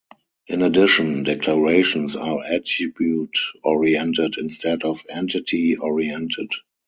In addition, declarations are attribute oriented instead of entity oriented.